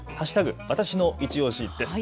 わたしのいちオシです。